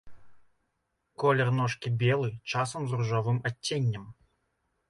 Колер ножкі белы, часам з ружовым адценнем.